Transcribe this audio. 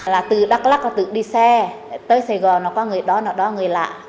là từ đắk lắc là tự đi xe tới sài gòn nó có người đó nào đó người lạ